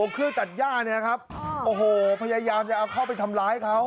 เครื่องตัดย่าเนี่ยนะครับโอ้โหพยายามจะเอาเข้าไปทำร้ายเขา